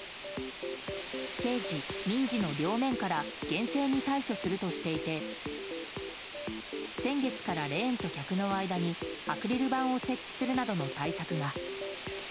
刑事、民事の両面から厳正に対処するとしていて先月からレーンと客の間にアクリル板を設置するなどの対策が。